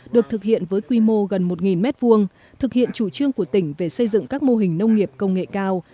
được thực hiện với quy mô gần một m hai thực hiện chủ trương của tỉnh về xây dựng các mô hình nông nghiệp công nghệ cao